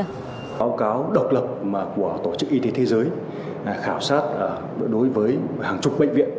các báo cáo độc lập của tổ chức y tế thế giới khảo sát đối với hàng chục bệnh viện